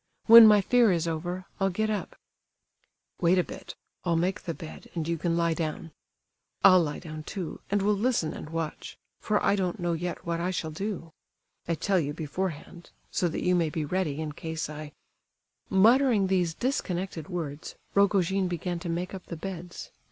When my fear is over, I'll get up—" "Wait a bit—I'll make the bed, and you can lie down. I'll lie down, too, and we'll listen and watch, for I don't know yet what I shall do... I tell you beforehand, so that you may be ready in case I—" Muttering these disconnected words, Rogojin began to make up the beds.